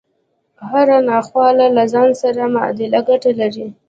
هره ناخواله له ځان سره معادل ګټه لري